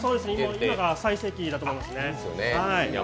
今が最盛期だと思います。